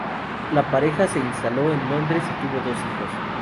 La pareja se instaló en Londres y tuvo dos hijos.